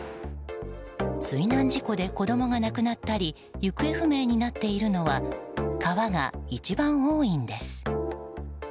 水難事故で子供が亡くなったり行方不明になっているのは川が一番多いんです。